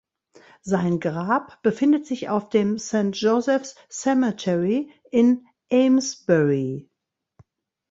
Sein Grab befindet sich auf dem "Saint Joseph’s Cemetery" in Amesbury.